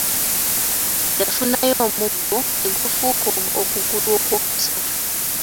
Yafunayo omuggo ne gufuuka okugulu okw'okusatu.